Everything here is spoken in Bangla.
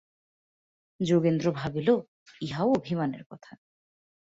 যোগেন্দ্র ভাবিল, ইহাও অভিমানের কথা।